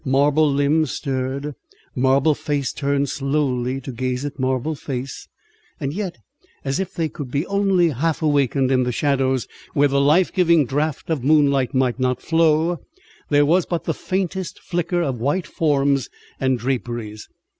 Marble limbs stirred, marble face turned slowly to gaze at marble face; yet, as if they could be only half awakened in the shadows where the life giving draught of moonlight might not flow, there was but the faintest flicker of white forms and draperies.